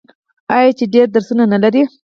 آیا چې ډیر درسونه نلري؟